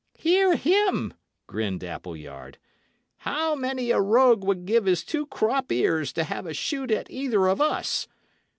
"Hear him!" grinned Appleyard. "How many a rogue would give his two crop ears to have a shoot at either of us?